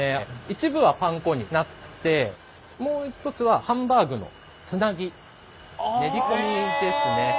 一部はパン粉になってもう一つはハンバーグのつなぎ練り込みですね。